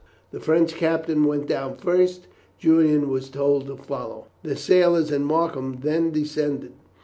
The French captain went down first. Julian was told to follow. The sailors and Markham then descended.